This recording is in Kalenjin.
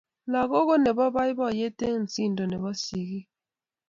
langok ko nebo baibaiet eng osindo nebo singik